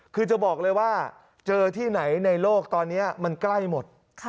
คือจะบอกเลยว่าเจอที่ไหนในโลกตอนนี้มันใกล้หมด